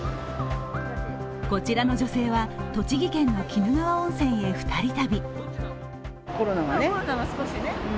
こちらの女性は栃木県の鬼怒川温泉へ２人旅。